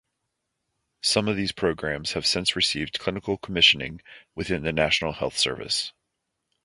Some of these programmes have since received clinical commissioning within the National Health Service.